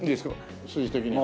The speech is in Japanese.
数字的にも。